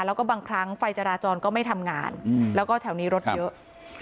แล้วก็บางครั้งไฟจราจรก็ไม่ทำงานแล้วก็แถวนี้รถเยอะ